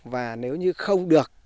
và nếu như không được